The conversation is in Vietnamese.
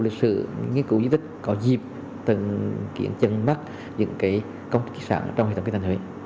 những sự nghiên cứu di tích có dịp từng chuyển chân mắt những cái công ty kỳ sản trong hệ thống kinh tăng huế